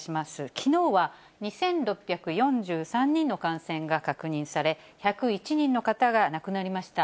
きのうは２６４３人の感染が確認され、１０１人の方が亡くなりました。